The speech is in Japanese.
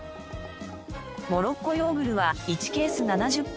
モロッコヨーグルは１ケース７０個。